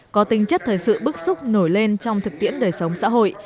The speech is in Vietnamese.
có tính chất thời sự bức xúc nổi lên trong thực tiễn đời sống xã hội